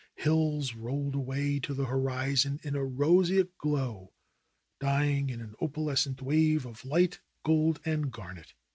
Hills rolled away to the horizon in a roseate glow, dying in an opalescent wave of light, gold and garnet.